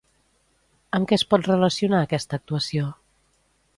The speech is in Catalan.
Amb què es pot relacionar aquesta actuació?